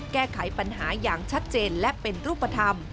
แก้ไขปัญหาอย่างชัดเจนและเป็นรูปธรรม